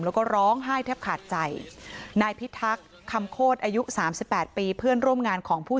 แล้วก็ร้องไห้แทบขาดใจนายพิทักษ์คำโคตรอายุสามสิบแปดปีเพื่อนร่วมงานของผู้